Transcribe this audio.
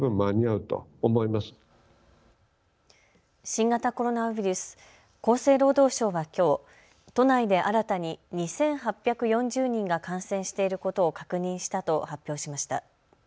新型コロナウイルス、厚生労働省はきょう都内で新たに２８４０人が感染していることを確認したと発表しました。